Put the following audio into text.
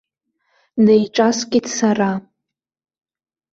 Неиҿаскит сара.